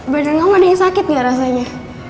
badan kamu ada yang sakit gak rasanya